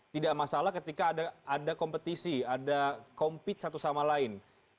tidak masalah ketika ada kompetisi ada compete satu sama lain